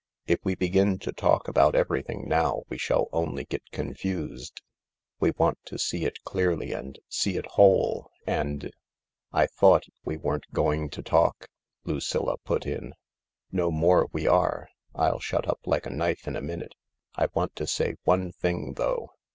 If we begin to talk about everything now we shall only get confused. We want to see it clearly and see it whole, and "" I thought we weren't going to talk ?" Lucilla put in. " No more we are. I'll shut up like a knife in a minute. I want to say one thing, though."